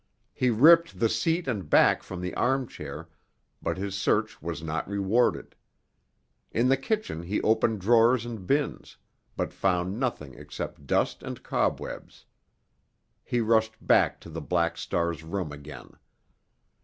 He ripped the seat and back from the armchair, but his search was not rewarded. In the kitchen he opened drawers and bins, but found nothing except dust and cobwebs. He rushed back to the Black Star's room again.